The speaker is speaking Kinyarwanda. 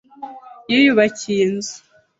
Yiyubakiye inzu.